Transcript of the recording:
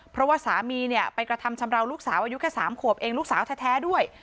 เพราะว่าสามีเนี่ยไปกระทำชำราวลูกสาวอายุแค่๓ขวบเองลูกสาวแท้ด้วย